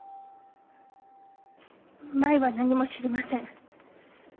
舞は何も知りません。